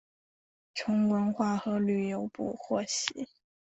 从文化和旅游部获悉